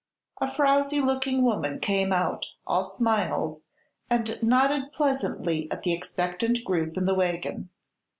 A frowsy looking woman came out, all smiles, and nodded pleasantly at the expectant group in the wagon.